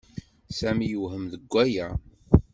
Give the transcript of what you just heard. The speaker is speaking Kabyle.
Sami yewhem deg waya.